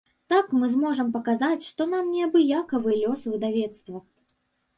Так мы зможам паказаць, што нам неабыякавы лёс выдавецтва.